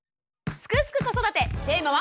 「すくすく子育て」テーマは。